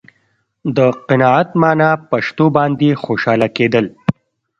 د قناعت معنا په شتو باندې خوشاله کېدل.